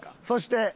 そして。